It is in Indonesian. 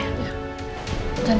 jangan khawatir andi